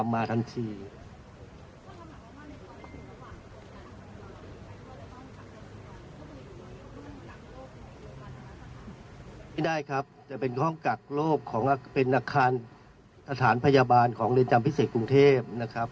ไม่ได้ครับจะเป็นห้องกักโรคของเป็นอาคารสถานพยาบาลของเรือนจำพิเศษกรุงเทพนะครับ